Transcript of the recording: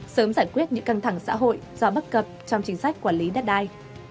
sớm giải quyết những căng thẳng xã hội do bất cập trong chính sách quản lý đất đai